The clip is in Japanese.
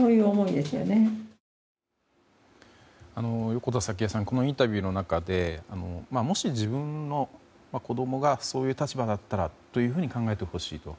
横田早紀江さんこのインタビューの中でもし自分の子供がそういう立場だったらと考えてほしいと。